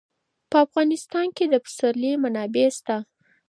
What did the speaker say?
په افغانستان کې د پسرلی منابع شته.